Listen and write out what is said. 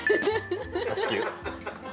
卓球。